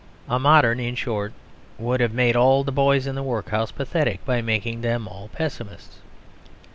A modern, in short, would have made all the boys in the workhouse pathetic by making them all pessimists.